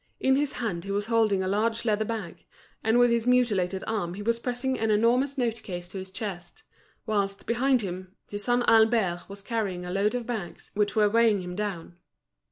In his hand he was holding a large leather bag, and with his mutilated arm he was pressing an enormous notecase to his chest; whilst, behind him, his son Albert was carrying a load of bags, which were weighing him down.